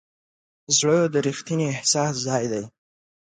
زړه د ریښتیني احساس ځای دی.